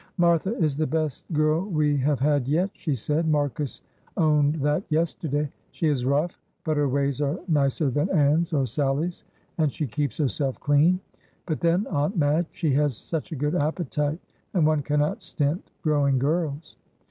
"Martha is the best girl we have had yet," she said. "Marcus owned that yesterday. She is rough, but her ways are nicer than Anne's or Sally's, and she keeps herself clean; but then, Aunt Madge, she has such a good appetite, and one cannot stint growing girls."